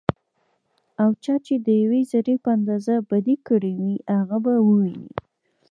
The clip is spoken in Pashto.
او چا چې ديوې ذرې په اندازه بدي کړي وي، هغه به وويني